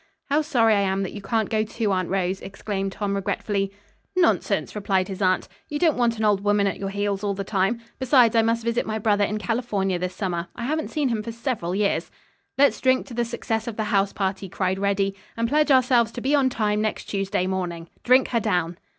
"How sorry I am that you can't go, too, Aunt Rose," exclaimed Tom regretfully. "Nonsense," replied his aunt, "you don't want an old woman at your heels all the time. Besides, I must visit my brother in California this summer. I haven't seen him for several years." "Let's drink to the success of the house party," cried Reddy, "and pledge ourselves to be on time next Tuesday morning. Drink her down."